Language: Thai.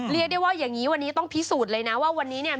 เรียกได้ว่าอย่างนี้วันนี้ต้องพิสูจน์เลยนะว่าวันนี้เนี่ย